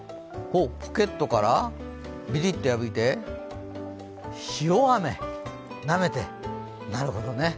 ポケットからビリッとやぶいて塩飴なめて、なるほどね。